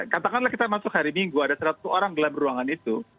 katakanlah kita masuk hari minggu ada seratus orang dalam ruangan itu